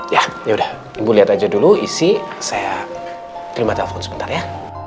ya yaudah ibu lihat aja dulu isi saya terima telepon sebentar ya